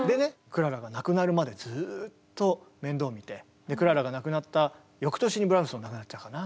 クララが亡くなるまでずっと面倒見てクララが亡くなった翌年にブラームスも亡くなっちゃうかな。